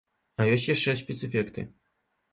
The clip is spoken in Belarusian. А ёсць яшчэ спецэфекты!